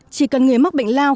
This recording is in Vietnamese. chỉ cần người mắc bệnh lao